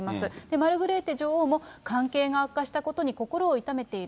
マルグレーテ女王も、関係が悪化したことに心を痛めている。